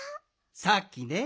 さっきね